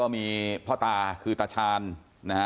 มีพอตาคือตาชาน